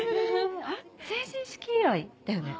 成人式以来だよね？